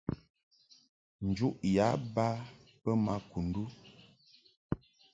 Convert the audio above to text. Njuʼ yǎ ba bə ma Kundu.